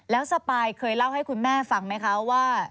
แล้วสปายเคยเล่าให้คุณแม่ฟังไหมคะว่า